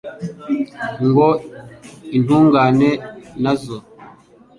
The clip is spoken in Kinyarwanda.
ngo intungane na zo